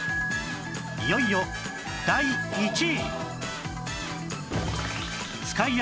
いよいよ第１位